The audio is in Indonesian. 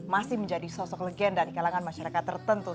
masih menjadi sosok legenda di kalangan masyarakat tertentu